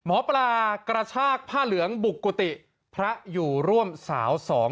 หมอปลากระชากผ้าเหลืองบุกกุฏิพระอยู่ร่วมสาวสอง